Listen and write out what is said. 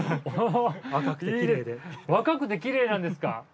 若くてキレイなんですか？